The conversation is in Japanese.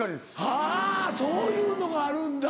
あぁそういうのがあるんだ。